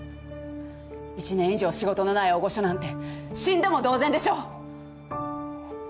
１年以上仕事のない大御所なんて死んだも同然でしょ。